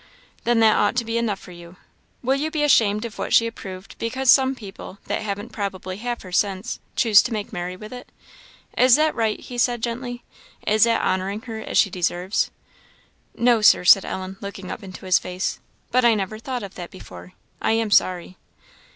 "Then that ought to be enough for you. Will you be ashamed of what she approved, because some people, that haven't probably half her sense, choose to make merry with it? is that right?" he said, gently. "Is that honouring her as she deserves?" "No, Sir," said Ellen, looking up into his face, "but I never thought of that before I am sorry."